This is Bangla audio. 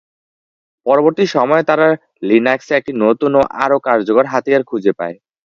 পরবর্তী সময়ে তারা লিনাক্সে একটি নতুন ও আরও কার্যকর হাতিয়ার খুঁজে পায়।